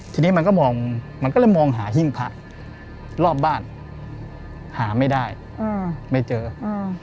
ทีนี้มันก็มองมันก็เลยมองหาหิ้งพระรอบบ้านหาไม่ได้อืมไม่เจออืม